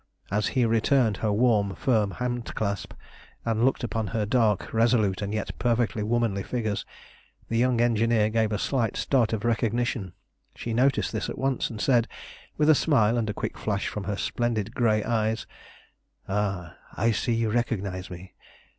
As he returned her warm, firm hand clasp, and looked upon her dark, resolute, and yet perfectly womanly features, the young engineer gave a slight start of recognition. She noticed this at once and said, with a smile and a quick flash from her splendid grey eyes "Ah! I see you recognise me.